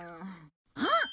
あっ！